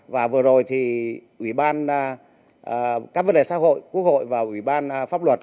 và vừa rồi thì các vấn đề xã hội quốc hội và ủy ban pháp luật